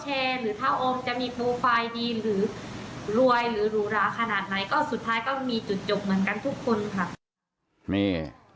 หรือรวยหรือหรูราขนาดไหนก็สุดท้ายก็มีจุดจบเหมือนกันทุกคนค่ะ